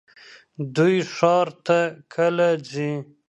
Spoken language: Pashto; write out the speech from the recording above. دوی ښار ته کله ځي؟